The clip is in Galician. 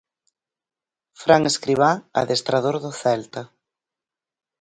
Fran Escribá, adestrador do Celta.